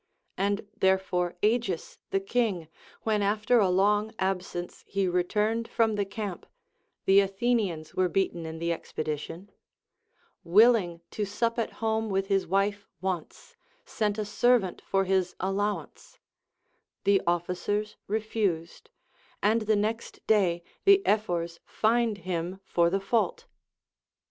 And therefore Agis the king, when after a long absence he returned from the camp (the Athenians were beaten in the expedition), Avilling to sup at home with his wife once, sent a servant for his allow ance ; the officers refused, and the next day the Ephors fined him for the fault.